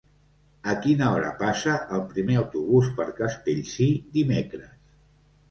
A quina hora passa el primer autobús per Castellcir dimecres?